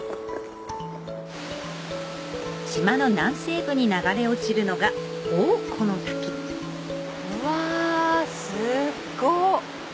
島の南西部に流れ落ちるのがうわすっご！